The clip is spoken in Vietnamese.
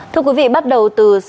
thưa quý vị bắt đầu từ sáu h ba mươi